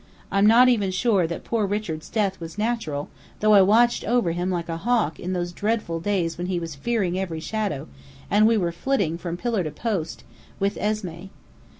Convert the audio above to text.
I'm not even sure that poor Richard's death was natural, though I watched over him like a hawk in those dreadful days when he was fearing every shadow, and we were flitting from pillar to post, with Esmé.